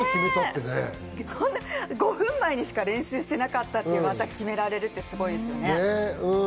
５分前にしか練習してなかった技を決められるってすごいですね。